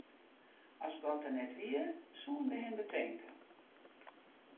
As God der net wie, soenen wy him betinke.